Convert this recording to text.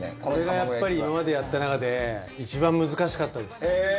これがやっぱり今までやった中で一番難しかったです